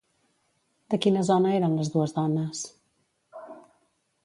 De quina zona eren les dues dones?